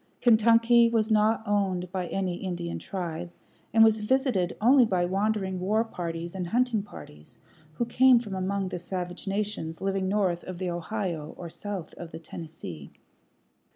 Kentucky was not owned by any Indian tribe, and was visited only by wandering war parties and hunting parties who came from among the savage nations living north of the Ohio or south of the Tennessee.